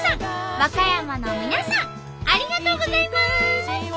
和歌山の皆さんありがとうございます！